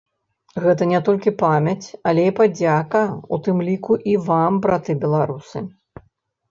Гэта не толькі памяць, але і падзяка, у тым ліку і вам, браты беларусы!